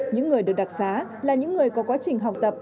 những người được đặc xá là những người có quá trình học tập